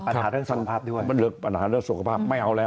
มันเป็นปัญหาท่องสุขภาพ